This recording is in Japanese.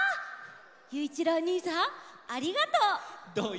ゆういちろうおにいさんありがとう！